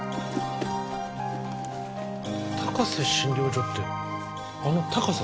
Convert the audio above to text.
高瀬診療所ってあの高瀬先生？